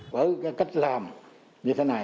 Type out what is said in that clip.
với cách làm như thế này